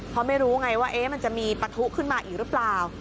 เพราะไม่รู้ไงว่ามันจะมีปะทุขึ้นมาอีกหรือเปล่า